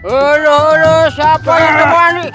udah udah siapa yang temani